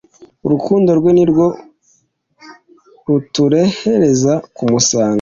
. Urukundo rwe ni rwo ruturehereza kumusanga.